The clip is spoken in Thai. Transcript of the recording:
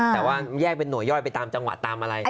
แต่ว่าแยกเป็นห่วยย่อยไปตามจังหวะตามอะไร